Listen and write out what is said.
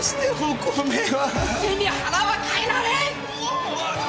背に腹は代えられん！